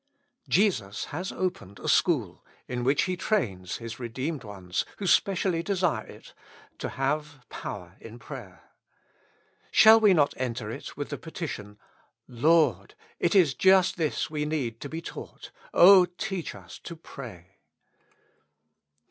Jesus has opened a school, in which He trains His redeemed ones, who specially desire it, to have power in prayer. Shall we not enter it with the petition. Lord ! it is just this we need to be taught ! O teach us \.opray.